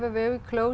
khi chúng tôi